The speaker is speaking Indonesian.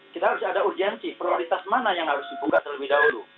kita harus ada urgensi prioritas mana yang harus dibuka terlebih dahulu